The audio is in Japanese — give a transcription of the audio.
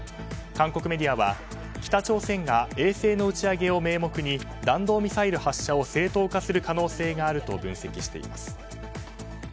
韓国メディアは北朝鮮が衛星の打ち上げを名目に弾道ミサイル発射を正当化する可能性があると分析しています。